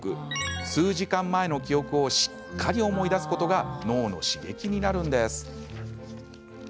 数時間前の記憶をしっかり思い出すことが脳の刺激になるんです。